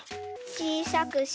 ちいさくして。